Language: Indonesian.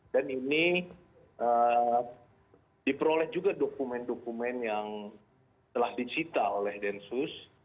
dan ini diperoleh juga dokumen dokumen yang telah disita oleh densus